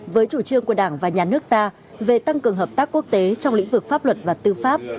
với chủ trương của đảng và nhà nước ta về tăng cường hợp tác quốc tế trong lĩnh vực pháp luật và tư pháp